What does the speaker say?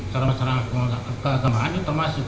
secara masyarakat keagamaan itu termasuk